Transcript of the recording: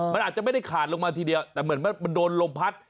มันอาจจะไม่ได้ขาดลงมาทีเดียวแต่เหมือนมันโดนลมพัด